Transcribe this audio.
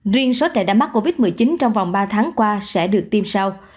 riêng số trẻ đã mắc covid một mươi chín trong vòng ba tháng qua sẽ được tiêm sau